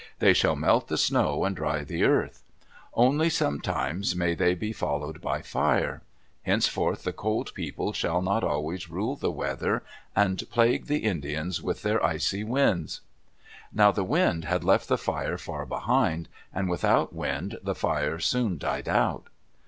They shall melt the snow and dry the earth. Only sometimes may they be followed by fire. Henceforth the Cold People shall not always rule the weather and plague the Indians with their icy winds." Now the wind had left the fire far behind, and without wind the fire soon died out.